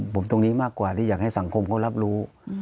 ผมตรงนี้มากกว่าที่อยากให้สังคมเขารับรู้